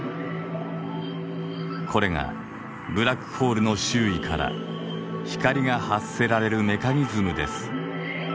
これがブラックホールの周囲から光が発せられるメカニズムです。